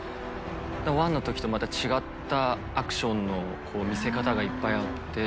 だから１の時とまた違ったアクションの見せ方がいっぱいあって。